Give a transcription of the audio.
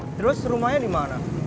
terus rumahnya dimana